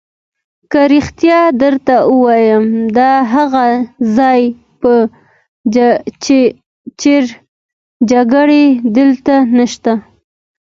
که رښتیا درته ووایم، د هغه ځای په څېر جګړې دلته نشته.